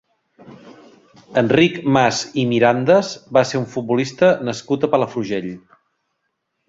Enric Mas i Mirandes va ser un futbolista nascut a Palafrugell.